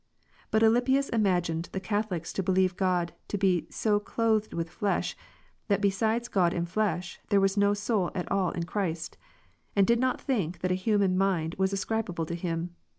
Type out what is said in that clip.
But Alypius imagined the Catholics to believe God to be so clothed with flesh, that besides God and flesh, there was no soul at all in Christ, and did not think that a human mind was ascribed to Him.